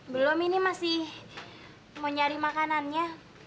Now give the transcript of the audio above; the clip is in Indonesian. belum ini masih mau nyari makanannya